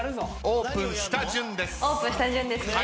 オープンした順ですね。